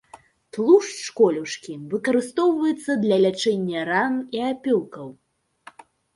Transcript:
Тлушч колюшкі выкарыстоўваецца для лячэння ран і апёкаў.